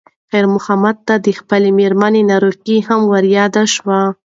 خیر محمد ته د خپلې مېرمنې ناروغي هم ور یاده شوه.